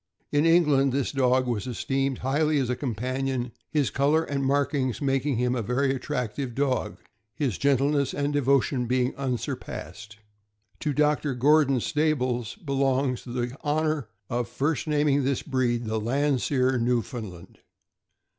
In England, this dog was esteemed highly as a companion, his color and markings making him a very attractive dog, his gentleness and devotion being unsurpassed. To Dr. Gordon Stables belongs the honor of first naming this breed the Landseer Newfound land.